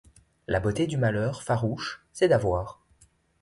La beauté du malheur farouche, c'est d'avoir